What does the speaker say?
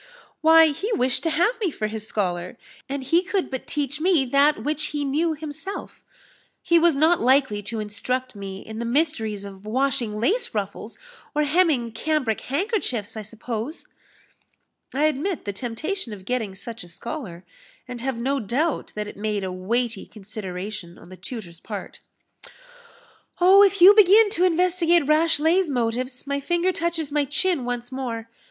"Why, he wished to have me for his scholar, and he could but teach me that which he knew himself he was not likely to instruct me in the mysteries of washing lace ruffles, or hemming cambric handkerchiefs, I suppose." "I admit the temptation of getting such a scholar, and have no doubt that it made a weighty consideration on the tutor's part." "Oh, if you begin to investigate Rashleigh's motives, my finger touches my chin once more.